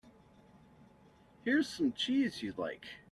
Here's some cheese you like.